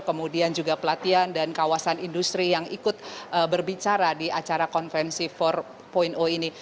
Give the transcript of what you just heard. kemudian juga pelatihan dan kawasan industri yang ikut berbicara di acara konferensi empat ini